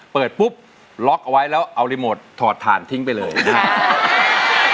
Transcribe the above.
เปิดปุ๊บล็อกเอาไว้แล้วเอารีโมทถอดถ่านทิ้งไปเลยนะครับ